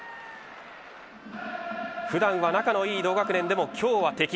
普段は仲のいい同学年でも今日は敵。